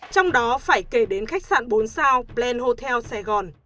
trong đó phải kể đến khách sạn bốn sao blan hotel sài gòn